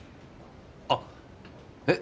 あっえっ